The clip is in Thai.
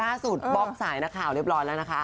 ร่าสุดบ๊อกสายในข่าวเรียบร้อยแล้วนะคะ